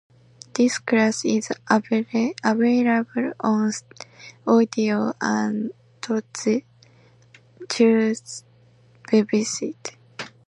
This class is available on audio at the church website.